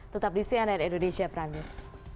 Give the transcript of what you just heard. tetap di cnn indonesia prime news